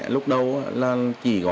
lúc đầu là chỉ có hai mươi năm